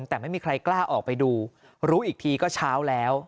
แต่ไม่มีใครกล้าออกไปดูรู้อีกทีก็เช้าแล้ว